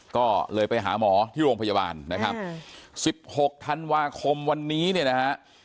ก็เลยไปหาหมอที่โรงพยาบาลนะครับ๑๖ธันวาคมวันนี้เนี่ยนะฮะ